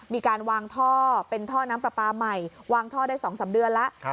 มีการวางท่อเป็นท่อน้ำปลาปลาใหม่วางท่อได้๒๓เดือนแล้ว